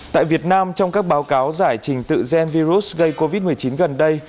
tại việt nam trong các báo cáo giải trình tự gen virus gây covid một mươi chín gần đây